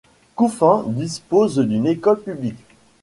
Kouffen dispose d'une école publique.